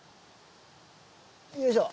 よいしょ。